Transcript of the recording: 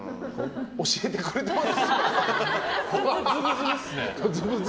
教えてくれてます。